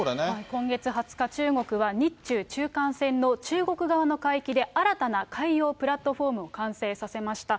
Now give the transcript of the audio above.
今月２０日、中国は日中中間線の中国側の海域で新たな海洋プラットホームを完成させました。